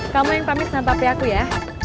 kamu yang pamit sama papi aku ya